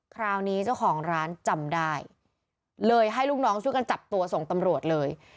คราวนี้เจ้าของร้านจำได้เลยให้ลูกน้องช่วยกันจับตัวส่งตำรวจเลย